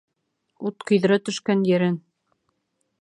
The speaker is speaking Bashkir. Ут көйҙөрә төшкән ерен